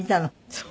そう。